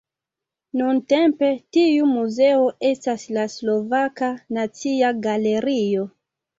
Nuntempe tiu muzeo estas la Slovaka Nacia Galerio.